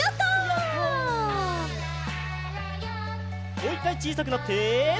もういっかいちいさくなって。